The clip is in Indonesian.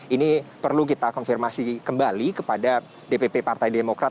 ini perlu kita konfirmasi kembali kepada dpp partai demokrat